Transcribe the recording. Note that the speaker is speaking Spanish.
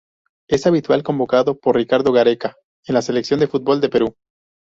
Es habitual convocado por Ricardo Gareca en la Selección de fútbol de Perú.